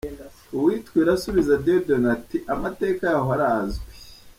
Uwitwa Irasubiza Dieudoné ati “Amateka yaho arazwi.